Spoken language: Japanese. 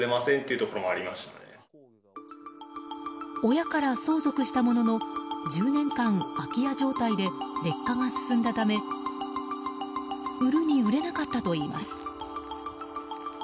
親から相続したものの１０年間空き家状態で劣化が進んだため売るに売れなかったといいます。